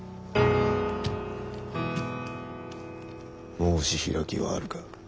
申し開きはあるか？